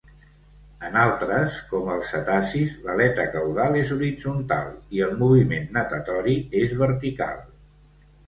En altres, com els cetacis, l'aleta caudal és horitzontal, i el moviment natatori és vertical.